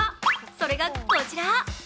それがこちら。